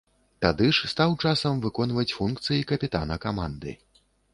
Тады ж стаў часам выконваць функцыі капітана каманды.